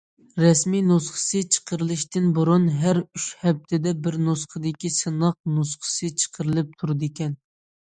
رەسمىي نۇسخىسى چىقىرىلىشتىن بۇرۇن ھەر ئۈچ ھەپتىدە بىر نۇسخىدىكى سىناق نۇسخىسى چىقىرىلىپ تۇرىدىكەن.